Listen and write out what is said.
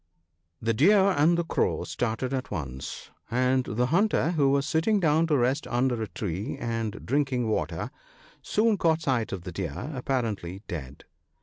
' The Deer and the Crow started at once; and the hunter, who was sitting down to rest under a tree and drinking water, soon caught sight of the Deer, apparently 54 THE BOOK OF GOOD COUNSELS. dead.